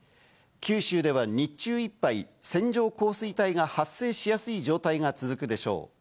九州では日中いっぱい線状降水帯が発生しやすい状態が続くでしょう。